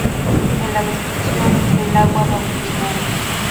En la bendición del agua bautismal.